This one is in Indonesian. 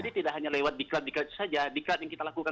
lewat diklat diklat saja diklat yang kita lakukan